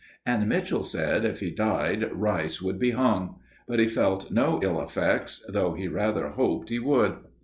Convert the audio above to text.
And Mitchell said if he died, Rice would be hung. But he felt no ill effects, though he rather hoped he would.